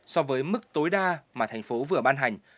so với mức tối đa mà thành phố vừa ban hành